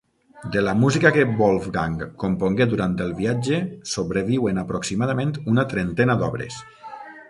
De la música que Wolfgang compongué durant el viatge, sobreviuen aproximadament una trentena d'obres.